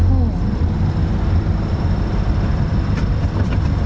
อู้หู